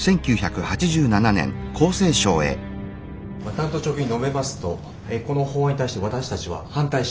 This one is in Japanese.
単刀直入に述べますとこの法案に対して私たちは反対します。